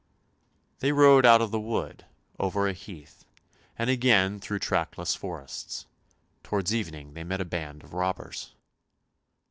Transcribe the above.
They rode out of the wood, over a heath, and again through trackless forests. Towards evening they met a band of robbers.